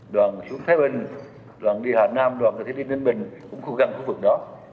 đoàn xuống thái bình đoàn đi hà nam đoàn có thể đi ninh bình cũng khu găng khu vực đó